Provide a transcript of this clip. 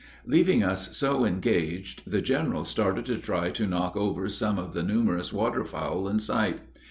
Leaving us so engaged, the general started to try to knock over some of the numerous water fowl in sight.